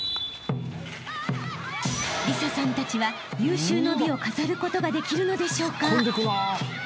［里紗さんたちは有終の美を飾ることができるのでしょうか］